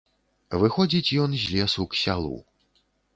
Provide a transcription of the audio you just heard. Выходзіць ён з лесу к сялу.